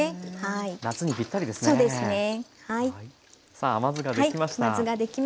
さあ甘酢ができました。